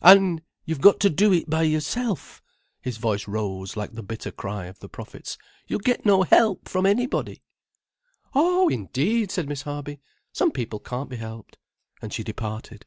"An' you've got to do it by yourself,"—his voice rose like the bitter cry of the prophets. "You'll get no help from anybody." "Oh, indeed!" said Miss Harby. "Some people can't be helped." And she departed.